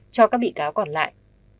cho các bị cáo còn lại